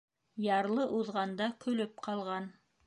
Ярлы уҙғанда көлөп ҡалған.